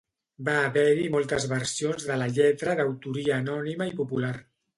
Va haver-hi moltes versions de la lletra d'autoria anònima i popular.